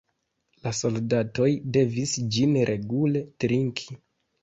La soldatoj devis ĝin regule trinki.